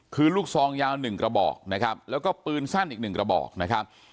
คือลูกซองยาว๑กระบอกนะครับแล้วก็ปืนสั้นอีกหนึ่งกระบอกนะครับ